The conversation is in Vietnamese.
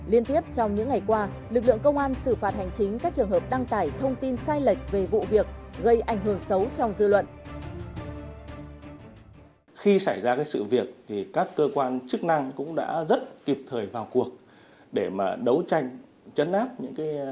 liên tiếp trong những ngày qua lực lượng công an xử phạt hành chính các trường hợp đăng tải thông tin sai lệch về vụ việc gây ảnh hưởng xấu trong dư luận